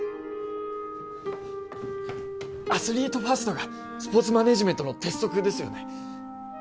アスリートファーストがスポーツマネージメントの鉄則ですよね？